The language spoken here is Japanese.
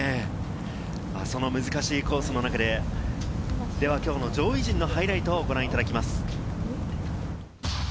その難しいコースの中で、きょうの上位陣のハイライトをご覧いただきます。